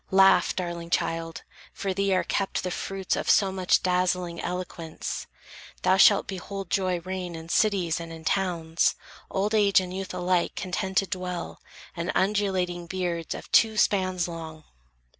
Laugh, darling child; for thee are kept the fruits Of so much dazzling eloquence. Thou shalt Behold joy reign in cities and in towns, Old age and youth alike contented dwell, And undulating beards of two spans long!